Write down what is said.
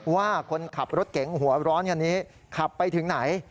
ว่าคนขับรถเก๋งหัวร้อนคันนี้ขับไปถึงไหน